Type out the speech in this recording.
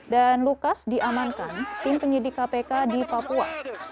dan lukas diamankan tim penyidik kpk di papua